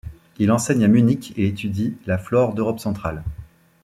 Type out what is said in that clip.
Il enseigne à Munich et étudie la flore d’Europe centrale.